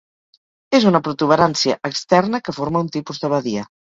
És una protuberància externa que forma un tipus de badia.